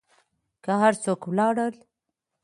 که هر څوک و لاړل.